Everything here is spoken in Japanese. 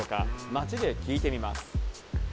街で聞いてみます。